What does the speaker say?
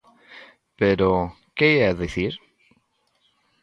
Pero ¿Que ía dicir?